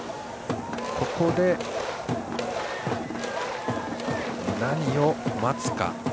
ここで何を待つか。